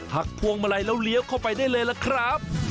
พวงมาลัยแล้วเลี้ยวเข้าไปได้เลยล่ะครับ